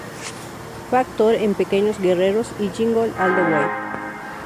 Fue actor en "Pequeños guerreros" y "Jingle All the Way".